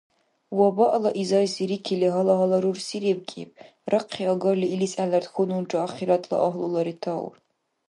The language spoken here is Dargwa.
Вабаъла изайзи рикили гьала-гьала рурси ребкӀиб, рахъхӀиагарли илис гӀеларад хьунулра ахиратла агьлула ретаур.